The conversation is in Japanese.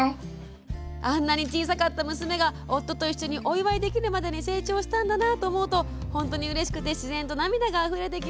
「あんなに小さかった娘が夫と一緒にお祝いできるまでに成長したんだなぁと思うと本当にうれしくて自然と涙があふれてきました。